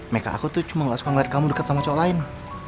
mika aku tuh cuma gak suka ngeliat kamu deket sama cowok lain